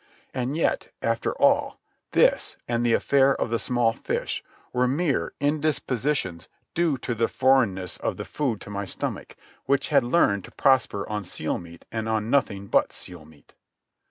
And yet, after all, this, and the affair of the small fish, were mere indispositions due to the foreignness of the food to my stomach, which had learned to prosper on seal meat and on nothing but seal meat.